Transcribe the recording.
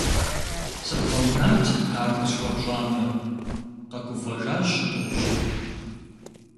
- Сыбгъэунат, ар къысхуэпщӏамэ, - къэгуфӏэжащ дыгъужьыр.